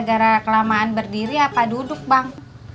gara gara kelamaan berdiri apa duduk bang